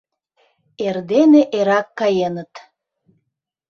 Эрдене эрак каеныт.